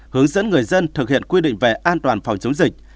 hướng dẫn người dân thực hiện quy định về an toàn phòng chống dịch